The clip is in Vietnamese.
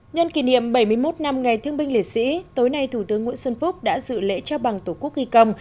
nhân kỷ niệm bảy mươi một năm ngày thương binh liệt sĩ tối nay thủ tướng nguyễn xuân phúc đã dự lễ trao bằng tổ quốc ghi công